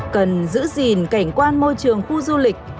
cần giữ gìn cảnh quan môi trường khu du lịch